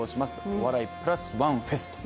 お笑いプラス、ワンフェスと。